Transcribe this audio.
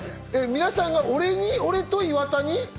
皆さんが俺と岩田に？